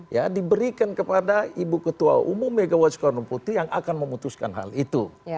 ya diberikan kepada ibu ketua umum megawati soekarno putri yang akan memutuskan hal itu